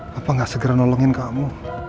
papa enggak segera nolongin kamu